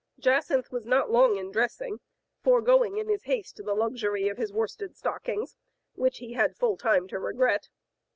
Jacynth was not long in dressing, foregoing in his haste the luxury of his worsted stockings, which he had full time to regret.